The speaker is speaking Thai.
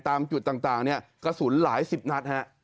ตามจุดต่างเนี่ยกระสุนหลายสิบนัดฮะ